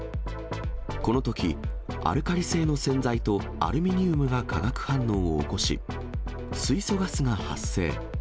このとき、アルカリ性の洗剤とアルミニウムが化学反応を起こし、水素ガスが発生。